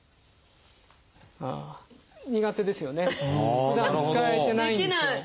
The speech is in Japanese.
苦手ですよね。